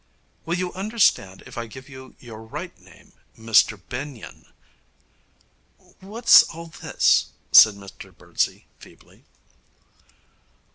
'Will you understand if I give you your right name, Mr Benyon?' 'What's all this?' said Mr Birdsey feebly.